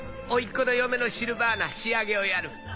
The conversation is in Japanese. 甥っこの嫁のシルヴァーナ仕上げをやる。